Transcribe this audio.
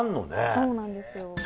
そうなんですよ。